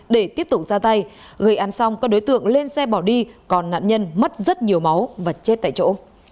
để tiếp tục ra tay gây án xong các đối tượng lên xe bỏ đi còn nạn nhân mất rất nhiều máu và chết tại chỗ